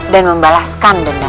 dan membalaskan denda